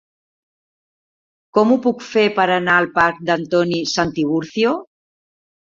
Com ho puc fer per anar al parc d'Antoni Santiburcio?